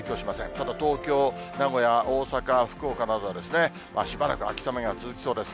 ただ東京、名古屋、大阪、福岡などはですね、しばらく秋雨が続きそうです。